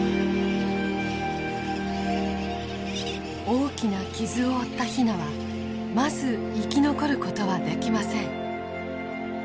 大きな傷を負ったヒナはまず生き残ることはできません。